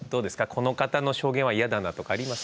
この方の証言は嫌だなとかあります？